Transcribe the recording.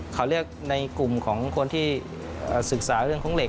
เขาเรียกในกลุ่มของคนที่ศึกษาเรื่องของเหล็